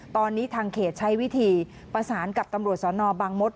ตอนนี้ทางเขตใช้วิธีประสานกับตำรวจสนบางมศ